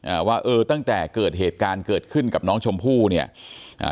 อ่าว่าเออตั้งแต่เกิดเหตุการณ์เกิดขึ้นกับน้องชมพู่เนี่ยอ่า